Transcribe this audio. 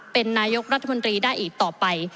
เป็นนายกรัฐมนตรีได้อีกต่อไป